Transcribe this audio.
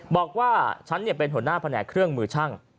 บอกว่าฉันเป็นหัวหน้าแผนกเครื่องมือช่าง